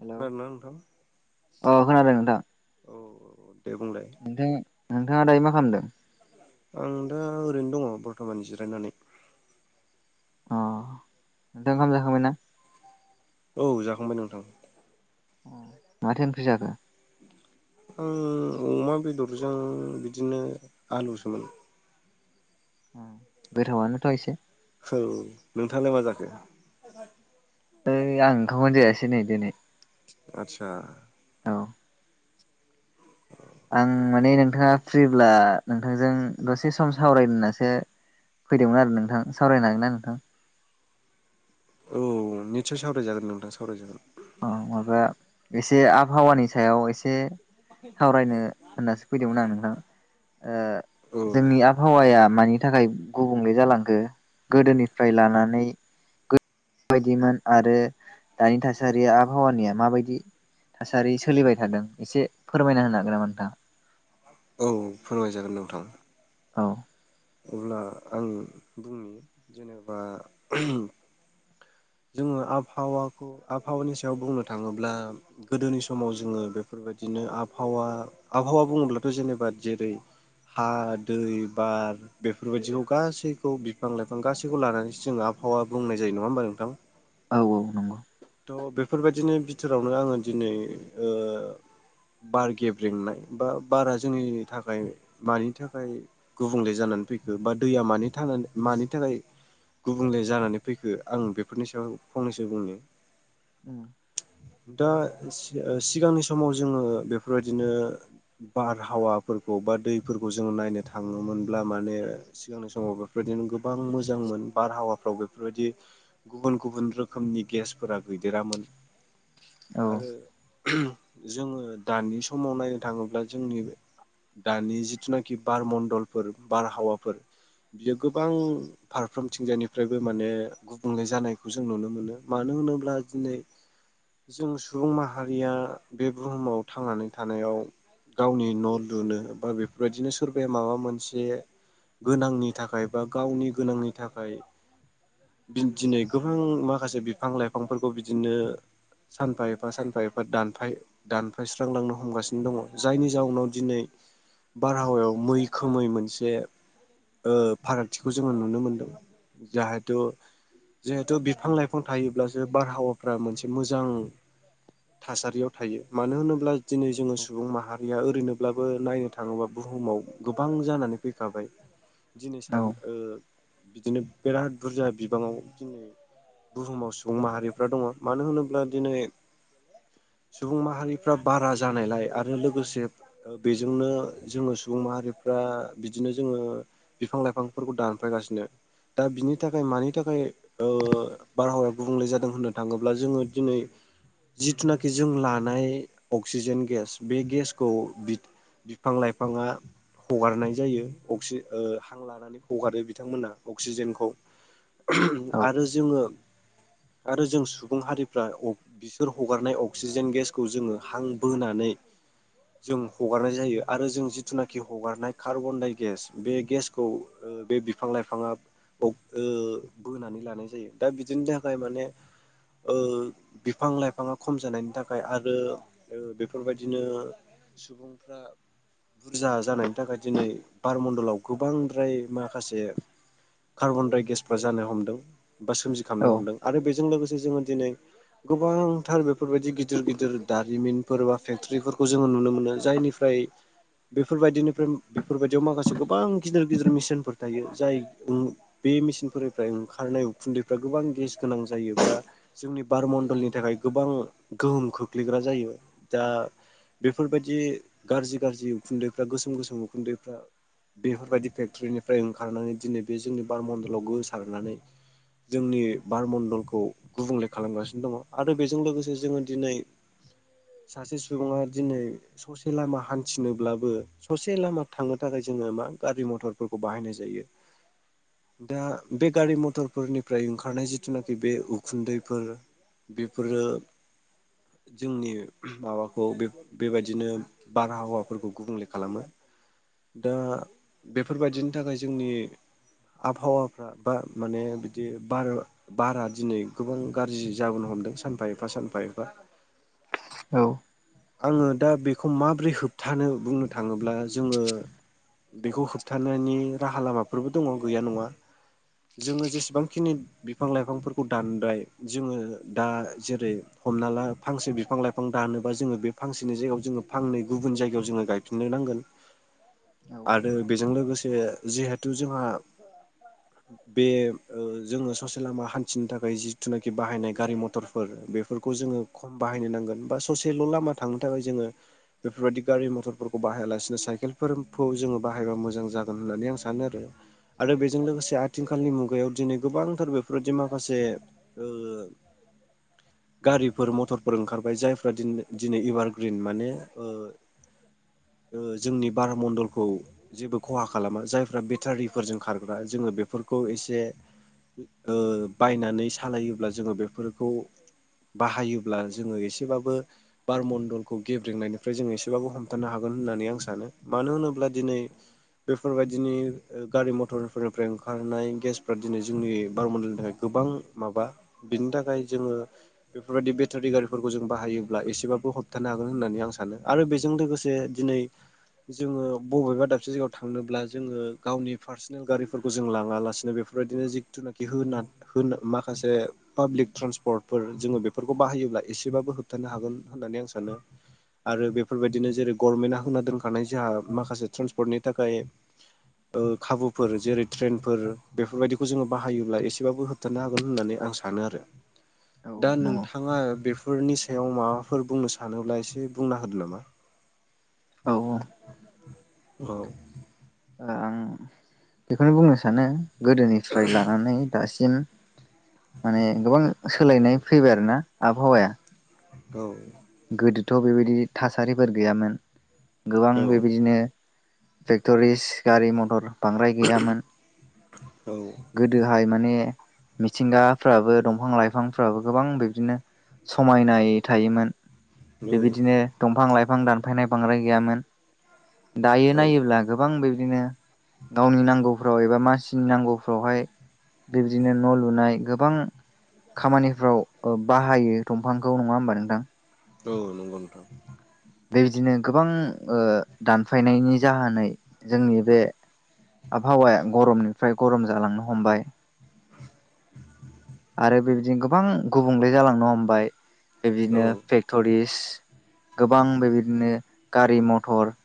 Hello खोनादोंना नोंथां। अ खोनादों नोंथां औ दे बुंलाय नोंथाङा नोंथाङा दायो मा खालामदों? आं दा ओरैनो दङ बरथमान जिरायनानै। अ नोंथं ओंखाम जाखांबाय ना? औ जाखांबाय नोंथां। अ माथो ओंख्रि जाखो? आं अमा बेदरजों बिदिनो आलुसोमोन। गोथावानो थ एसे। औ नोंथाङालाय मा जाखो? दिनोय दिनोय आतसा आं माने नोंथाङा फ्रिब्ला नोंथांजों दसे सम सावरायनासो। फैदोंमोन आरो नोंथां सावरायनो हागोन ना नोंथां? औ निथसय सावरायजागोन नोंथां सावरायजागोन। अ माबा एसे आबहावानि सायाव एसे। सावरायनो होननासो फैदोंमोन आं नोंथां औ ओ-जोंनि आबहावाया। मानि थाखाय गुबुंले जालांखो गोदोनिफ्राय लानानै माबायदिमोन आरो दानि थासारिया आबहावानिया माबायदि। थासारि सोलिबाय थादों एसे फोरमायना होनो हागोन नामा नोंथा। औ फोरमाय जागोन नोंथां। औ अब्ला आं बुंनि जेनेबा ओहम। जोङो आबहावाखौ आबहावानि सायाव बुंनो थाङोब्ला गोदोनि समाव जोङो बेफोर बादिनो आबहावा आबहावा बुङोब्लाथ जेनेबा जेरै हा दै बार बेफोर बायदिखौ गासैखौ बिफां लाइफां गासैखौ लानानैसो जोङो आब हावा बुंनाय जायो नङा होमबा नोंथां। औ औ नंगौ। थ बेफोर बादिनो बिथोरावनो आङो दिनै ओ। बार गेब्रेंनाय बा बारा जोंनि थाखाय मानि थाखाय गुबुंले जाना फैखो बा दैया मानि थानानै मानि थाखाय। गुबुंले जानानै फैखो आं बेफोरनि सायाव फंनैसो बुंनो। उ दा सिया सिगांनि समाव जोङो बेफोर बादिनो बारहावाफोरखौ बा दैफोरखौ जोङो नायनो थाङोमोनब्ला माने सिगांनि समाव बेफोरनो गोबां मोजां मोन बारहावाफ्राव बेफोर बादि गुबुन गुबुन रोखोमनि गेस फोरा गैदेरामोन औ आरो ओहम जोङो दानि समाव नायनो थाङोब्ला जोंनि बे दानि जिथुनाखि बार मण्डलफोर बारहावाफोर बियो गोबां फारफ्रोमथिंजायानिफ्रायबो माने गुबुंले जानायखौ जों नुनो मोनो मान मानो होनोब्ला दिनै जों सुबुं माहारिया बे बुहुमाव थांनानै थानायाव गावनि न' लुनो बा बेफोर बायदिनो सोरबाया माबा मोनसे गोनांनि थाखाय बा गावनि गोनांनि थाखाय। दिनै गोबां माखासे बिफां लाइफांफोरखौ बिदिनो सानफा एफा सानफा एफा दानफाय दानफायस्रांलांनो हमगासिनो दङ जायनि जाउनाव दिनै बारहावायाव मैखोमै मोनसे‌। ओ फारागथिखौ जोङो नुनो मोनदों जाहाथु जिहेथु बिफां लाइफां थायोब्लासो बारहावाफ्रा मोनसे मोजां थासारियाव थायो मानो होनोब्ला? दिनै जोङो औ सुबुं माहारिया ओरैनो ब्लाबो नायनो थाङोब्ला बुहुमाव गोबां जानानै फैखाबाय दिनै औ सान ओ बिदिनो बिराद बुरजा बिबाङाव दिनै बुहुमाव सुबुं माहारिफ्रा दङ मानो होनोब्ला दिनै [inaudible] सुबुं माहारिफ्रा बारा जानायलाय आरो लोगोसे ओ बेजोंनो जोङो सुबुं माहारिफ्रा दा बिदिनो जोङो बिफां लाइफांफोरखौ दानफायगासिनो। दा बिनि थाखाय मानि थाखाय ओ बारहावाया गुबुंले जादों होननो थाङोब्ला जोङो दिनै जिथुनाखि जों लानाय अक्सिजेन गेस बे गेसखौ बि बिफां लाइफाङा हगारनाय जायो अक्सि ओ हां लानानै हगारो बिथांमोना अक्सिजेनखौ। आरो जोङो [unintelligible] आरो जों सुबुं हारिफ्रा अब बिसोर हगारनाय अक्सिजेन गेसखौ जोङो हां बोनानै जों हगारनाय जायो आरो जों जिथुनाखि हगारनाय कार्बन दाइ गेस बे गेसखौ ओ बे बिफां लाइफाङा अब ओ बोनानै लानाय जायो दा बि दिनि थाखाय माने ओ बिफां लाइफाङा खम जानायनि थाखाय आरो ओ बेफोरबायदिनो सुबुंफ्रा बुरजा जानायनि थाखाय दिनै बारमणडलाव गोबांद्राय माखासे कार्बनडाइ गेसफ्रा जानो हमदों बा सोमजिखांनो हमदों आरो बेजों लोगोसे जोङो दिनै गोबांथार बेफोरबायदि गिदिर गिदिर दारिमिनफोर बा फेक्टरिफोरखौ जोङो नुनो मोनो जायनिफ्राय आइ बेफोरबायदिनिफ्राय बेफोरबायदियाव माखासे गोबां गिदिर गिदिर मिसिनफोर थायो जाय बे मेसिनफोरनिफ्राय ओंखारनाय उखुन्दै फ्रा गोबां गेस गोनां जायो बा जोंनि बारमणडलनि थाखाय गोबां गोहोम खोख्लैग्रा जायो। दा बेफोरबायदि गाज्रि गाज्रि उखुन्दैफ्रा गोसोम गोसोम उखुन्दैफ्रा बेफोरबायदि फेक्टरिनिफ्राय ओंखारनानै दिनै बे जोंनि बारमन्दलाव गोसारनानै जोंनि बार मण्डलखौ गुबुंले खालामगासिनो दङ आरो बेजों लोगोसे जोङो दिनै सासे सुबुङा दिनै ससे लामा हान्थिनोब्लाबो ससे लामा थांनो थाखाय जोङो मा गारि मथर फोरखौ बाहनाय जायो दा बे गारि मथरफोरनि फ्राय ओंखारनाय जिथुनाखि बे उखुन्दैफोर बेफोरो जोंनि माबाखौ बे बेबायदिनो बारहावाफोरखौ गुबुंले खालामो। दा बेफोरबायदिनि थाखाय जोंनि आबहावाफ्रा बा माने बि दि बार बारा दिनै गोबां गाज्रि जाबोनो हमदों सानफा एफा सानफा एफा। औ आङो दा बेखौ माबोरै होबथानो बुंनो थाङोब्ला जोङो बेखौ होबथानायनि राहा लामाफोरबो दङ गैया नङा जोङो जेसेबां खिनि बिफां लाइफांफोरखौ दानबाय जोङो दा जेरै हमना ला फांसे बि फां लाइफां दानोबा जोङो बे फांसेनि जायगायाव जोङो फांनै गुबुन जायगायाव जोङो गायफिननो नांगोन। [inaudible] आरो बेजों लोगोसे जिहेथु जोंहा बे ओ जोङो ससे लामा हान्थिनो थाखाय जिथुनाखि बाहायनाय गारि मथरफोर बेफोरखौ जोङो खम बा हायनो नांगोन बा ससेल' लामा थांनो थाखाय जोङो बेफोरबायदि गारि मथरफोरखौ बाहायालासेनो साइकेलफो लोमफौ जोङो बाहायबा मोजां जागोन होननानै आं सानो आरो आरो बेजों लोगोसे आथिखालनि मुगायाव दिनै गोबांथार बेफोराददि माखासे ओ [inaudible] गारिफोर मथरफोर ओंखारबाय जायफ्रा दिन दिनै एभारग्रिन माने ओ [inaudible] ओ जोंनि बार मण्डलखौ जेबो खहा खालामा जायफ्रा बेटारिफोरजों खारग्रा जोङो बेफोर खौ एसे ओ बायनानै सालायोब्ला जोङो बेफोरखौ बाहायोब्ला जोङो एसेबाबो बार मण्डलखौ गेब्रेंंनायनिफ्राय जोङो एसेबाबो हमथानो हागोन। गोन होननानै आं सानो मानो होनोब्ला दिनै बेफोरबायदिनि ओ गारि मथरफोरनिफ्राय ओंखारनाय गेस दिनै जोंनि बारमण्डलनि थाखाय गोबां माबा बिनि थाखाय जोंङो बेफोरबायदि बेटारि रि गारिफोरखौ जों बाहायोब्ला एसेबाबो होबथानो हागोन होननानै आं सानो आरो बेजों लोगोसे दिनै जोंङो बबेबा दाबसे जायगायाव थांनोब्ला जोंङो गावनि पार्सनेल गारिफोरखौ जों लांङा लासिनो बेफो फोरबायदिनो जिथुनाखि होना होन माखासे पाब्लिक ट्रेसपर्टफोर जोंङो बेफोरखौ बाहायो ब्ला एसेबाबो होबथानो हागोन होननानै आं सानो। आरो बेफोरबायदिनो जेरै गभर्नमेन्टआ होना दोनखानाय जोंहा माखासे ट्रन्सपर्टनि थाखाय [inaudible] ओ खाबुफोर जेरै ट्रेनफोर बेफोरबायदिखौ जोंङो बाहायोब्ला एसेबाबो होबथानो हागोन होननानै आं सानो आरो औ दा नंगौ नोंथांङा बेफो फोरनि सायाव माबाफोर बुंनो सानोब्ला एसे बुंना होदो नामा औ औ औ ओ आं बेखौनो बुंनो सानो गोदोनिफ्राय लानानै दासिम माने गोबां सोलायनाय फैबाय आरोना आबहावाया औ गोदोथ' बेबायदि थासारिफोर गैयामोन गोबां औ बेबायदिनो फेक्टरिस गारि मथर बांद्राय गैयामोन। औ गोदोहाय माने मिथिंगाफ्राबो दंफां लाइफांफ्राबो गोबां बिब्दिनो समायनायै थायोमोन औ बेबायदिनो दंफां लाइफां दानफायनाय बांद्राय गैयामोन। दायो औ नायोब्ला गोबां बिब्दिनो गावनि नांगौफ्राव एबा मानसिनि नांगौ फ्रावहाय बिब्दिनो न' लुनाय गो गोबां खामानिफ्राव बाहायो दंफांखौ नङा होमबा नोंथां औ नंगौ नोंथां बेबायदिनो गोबां ओ दानफायनायनि जाहोनै जोंनि बे आबहावाया गरमनिफ्राय गरम जालांनो हमबाय आरो औ बेब्दिनो गोबां गुबुंले जालांनो हमबाय औ बेब्दिनो फेक्ट'रिस गोबां बेबायदिनो गारि मथर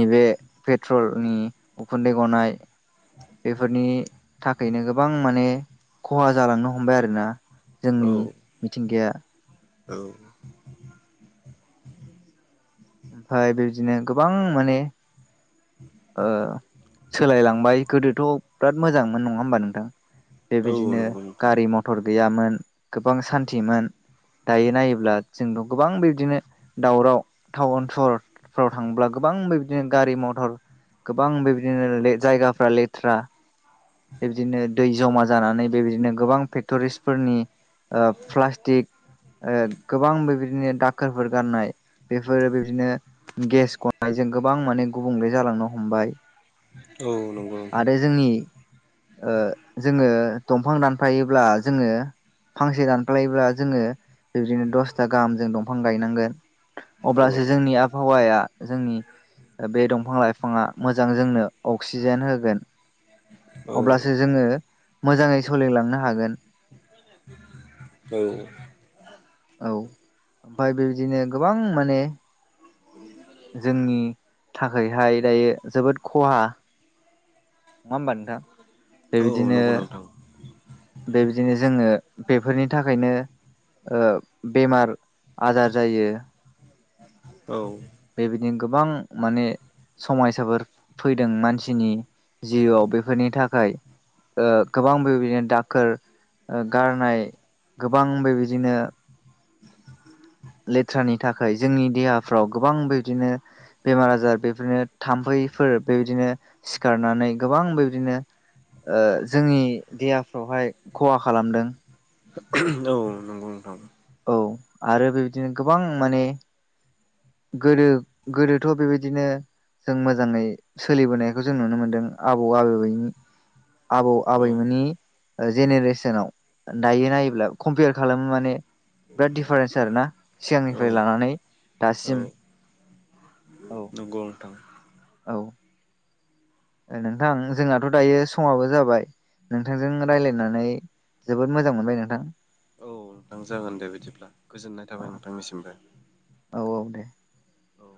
नैबे पेट्रलनि उखुन्दै गनाय बेफोरनि थाखायनो गोबां माने खहा जालांनो हमबाय आरोना औ जोंनि मिथिंगाया औ। ओमफाय बेदिनो गोबां माने ओ सोलायलांबाय गोदोथ' बिराद मोजांमोन नंङा होमबा नोंथां औ बेबायदिनो नंगौ नोंथां गारि मथर गैयामोन गोबां सान्थिमोन। दायो नायोब्ला जोंथ' गोबां बिब्दिनो दावराव टाउन सहरफ्राव थांब्ला गोबां बिब्दिनो गारि मथर गोबां बेबायदिनो जायगाफ्रा लेथ्रा बेबायदिनो दै जमा जानानै बेबायदिनो गोबां फेक्ट'रिसफोरनि ओ प्लास्टिक ओ गोबां बेबायदिनो दाखोरफोर गारनाय बेफोरो बिब्दिनो गेस गनायजों गोबां माने गुबुंले जालांनो हमबाय। औ नंगौ नोंथां। आरो जोंनि ओ जोंङो दंफां दानफायोब्ला जोंङो फांसे दानफ्लायोब्ला जोंङो बिब्दिनो दसथा गाहाम जों दंफां गायनांगोन। औ अब्लासो जोंनि आबहावाया जोंनि बे दंफां लाइफाङा मोजां जोंनो अक्सिजेन होगोन। औ अब्लासो जोंङो मोजांङै सलिलांनो हागोन। औ औ ओमफाय बेबायदिनो गोबां माने जोंनि थाखायहाय दायो जोबोद खहा नङा हबा नोंथां? औ बेबायदिनो नंगौ नोंथां। बेबायदिनो जोङो बेफोरनि थाखायनो बेमार आजार जायो। औ नि गोबां माने समयसाफोर फैदों मानसिनि जिउआव बेफोरनि थाखाय ओ गोबांबो बिदिनो द फोर गारनाय गोबां बेबायदिनो लेथ्रानि थाखाय जोंनि देहाफ्राव गोबां बिदिनो बेमार आजार बेफोरनो थामफै बेफोर बेबायदिनो सिखारनानै गोबां बेबायदिनो जोंनि देहाफ्रावहाय खहा खालामदों। औ नंगौ नोंथां। औ आरो बेबायदिनो गोबां माने गोदो गोदोथ' बेबायदिनो जों मोजाङै सोलिबोनायखौ जों नुनो मोन्दों आबौ आबबैनि आबौ औ आबै मानि जेनेरेसनाव दायो नायोब्ला कम्पयार खालामो माने बिराद दिडिफारेन्स आर ना औ सिगांनिफ्राय लानानै औ दासिम। औ नंगौ नोंथां औ नोंथां औ नोंथां जोंहथ' दायो समाबो जाबाय नोंथांजों राय्लायनानै जोबोद मोजां मोनबाय नोंथां? औ नोंथां जागोन दे बिदिब्ला गोजोननाय औ थाबाय नोंथांनिसिमबो। औ औ दे औ